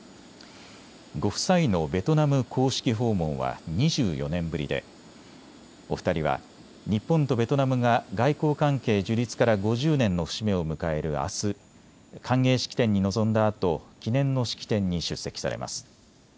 ご夫妻のベトナム公式訪問は２４年ぶりでお二人は日本とベトナムが外交関係樹立から５０年の節目を迎えるあす歓迎式典に臨んだあと記念の式典に出席されます。